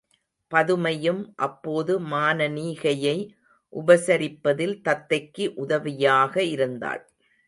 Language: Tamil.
பதுமையும் அப்போது மானனீகையை உபசரிப்பதில் தத்தைக்கு உதவியாக இருந்தாள்.